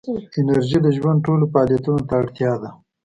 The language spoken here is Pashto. انرژي د ژوند ټولو فعالیتونو ته اړتیا ده.